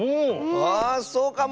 ああっそうかも！